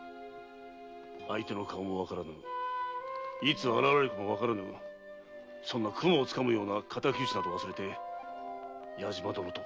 相手の顔もわからぬいつ現れるかもわからぬそんな雲をつかむような仇討ちなど忘れて矢島殿と。